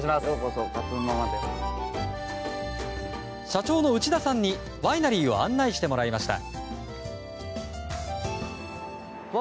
社長の内田さんにワイナリーを案内してもらいました。